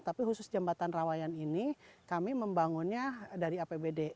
tapi khusus jembatan rawayan ini kami membangunnya dari apbd